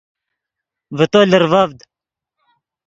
ڤے تو لرڤڤد